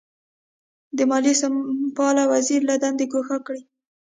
د مالیې سمونپال وزیر له دندې ګوښه کړي.